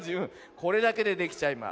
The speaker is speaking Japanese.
これだけでできちゃいます。